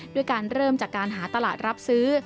ด้วยการเริ่มจากการหาตลาดรับซื้อ